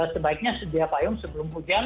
sebaiknya setiap ayam sebelum hujan